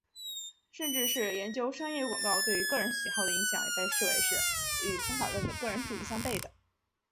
甚至是研究商业广告对于个人喜好的影响也被视为是与方法论的个人主义相背的。